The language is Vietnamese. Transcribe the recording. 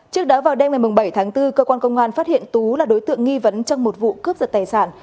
trước đó vào đêm ngày bảy tháng bốn cơ quan công an phát hiện tú là đối tượng nghi vấn trong một vụ cướp giật tài sản